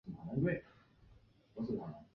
戈亚廷斯是巴西托坎廷斯州的一个市镇。